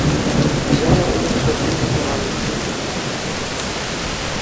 Ҫӗнӗ уйӑх шевли те яланхи пекех.